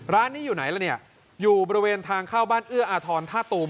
ร้านนี้อยู่ไหนล่ะเนี่ยอยู่บริเวณทางเข้าบ้านเอื้ออาทรท่าตูม